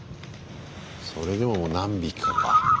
それでも何匹かか。